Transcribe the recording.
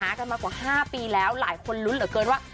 กันมากว่า๕ปีแล้วหลายคนลุ้นเหลือเกินว่า